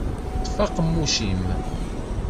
Ṭṭef aqemmuc-im!